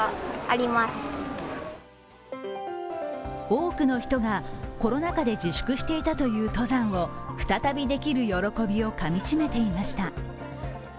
多くの人がコロナ禍で自粛していたという登山を再びできる喜びをかみ締めていました。